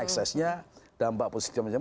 eksesnya dampak positifnya